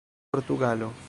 portugalo